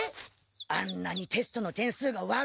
あんなにテストの点数が悪いなんて。